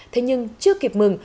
thế nhưng chưa kịp mừng